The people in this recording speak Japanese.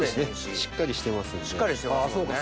しっかりしてますんで。